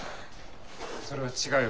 それは違うよ